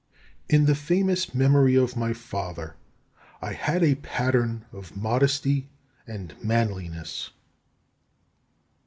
2. In the famous memory of my father I had a pattern of modesty and manliness.